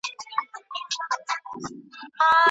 منډه وهل څه اغیزه لري؟